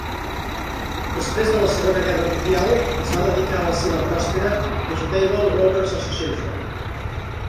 Després de la Segona Guerra Mundial, es va dedicar a la seva pròspera Vegetable Growers Association.